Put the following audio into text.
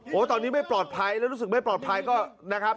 โอ้โหตอนนี้ไม่ปลอดภัยแล้วรู้สึกไม่ปลอดภัยก็นะครับ